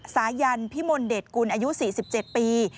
สายันพิมลเดชกุลอายุ๔๗ปี